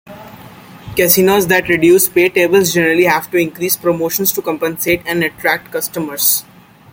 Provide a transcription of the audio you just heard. Casinos that reduce paytables generally have to increase promotions to compensate and attract customers.